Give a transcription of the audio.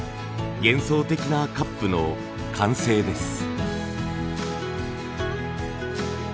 幻想的なカップの完成です。